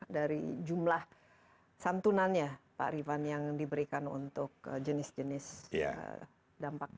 dari jumlah santunannya pak rifan yang diberikan untuk jenis jenis dampak